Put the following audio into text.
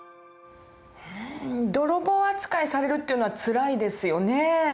泥棒扱いされるっていうのはつらいですよね。